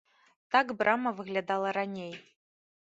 Так брама выглядала раней.